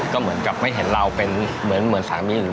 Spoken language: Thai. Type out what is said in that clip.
ก็เหมือนกับไม่เห็นเราเป็นเหมือนสามีหรือ